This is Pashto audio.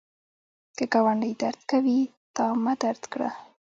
که ګاونډی درد کوي، تا مه درد کړه